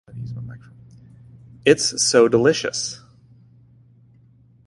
It's so delicious!